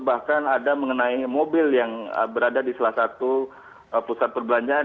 bahkan ada mengenai mobil yang berada di salah satu pusat perbelanjaan